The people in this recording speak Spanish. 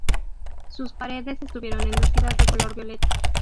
Sus paredes estuvieron enlucidas de color violeta.